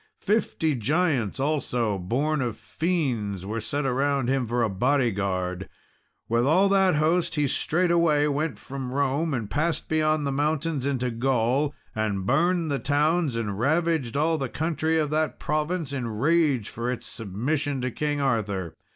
Fifty giants also, born of fiends, were set around him for a body guard. With all that host he straightway went from Rome, and passed beyond the mountains into Gaul, and burned the towns and ravaged all the country of that province, in rage for its submission to King Arthur.